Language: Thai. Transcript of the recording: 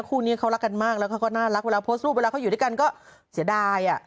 คู่นี้เขารักกันมากแล้วเขาก็น่ารักเวลาโพสต์รูปเวลาเขาอยู่ด้วยกันก็เสียดาย